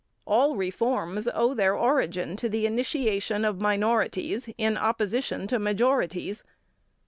All reforms owe their origin to the initiation of minorities in opposition to majorities.